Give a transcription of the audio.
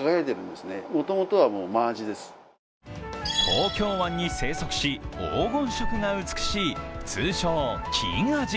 東京湾に生息し、黄金色が美しい通称・金アジ。